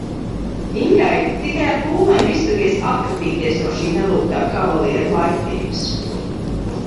Ingai tikai ar pūlēm izdevies atkratīties no šī nelūgtā kavaliera laipnības.